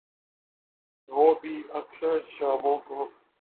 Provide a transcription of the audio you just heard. وہ بھی اکثر شاموں کو۔